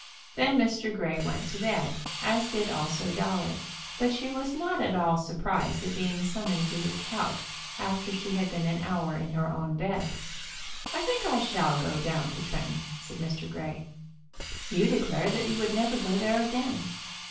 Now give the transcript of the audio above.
Then Mr. Grey went to bed, as did also Dolly; but she was not at all surprised at being summoned to his couch after she had been an hour in her own bed. "I think I shall go down to Tretton," said Mr. Grey. "You declared that you would never go there again."